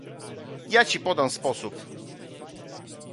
"ja ci podam sposób."